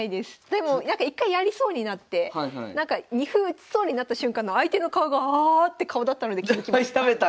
でも一回やりそうになって二歩打ちそうになった瞬間の相手の顔がああって顔だったので気付きました。